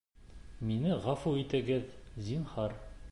Мине ғәфү итегеҙ, зинһар